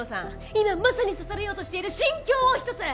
今まさに刺されようとしている心境を一つ！